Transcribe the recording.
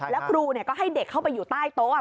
แล้วครูก็ให้เด็กเข้าไปอยู่ใต้โต๊ะ